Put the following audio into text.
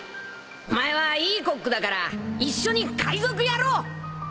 お前はいいコックだから一緒に海賊やろう！